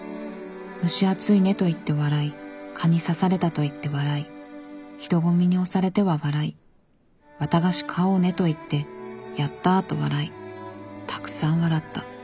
蒸し暑いねと言って笑い蚊に刺されたと言って笑い人込みに押されては笑い綿菓子買おうねと言って『やったァ』と笑いたくさん笑った。